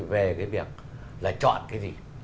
về cái việc là chọn cái gì